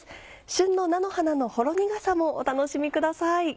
旬の菜の花のほろ苦さもお楽しみください。